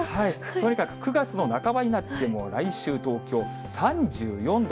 とにかく９月の半ばになっても、来週、東京３４度。